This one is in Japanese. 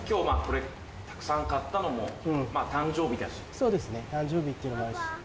そうですね誕生日っていうのもあるし。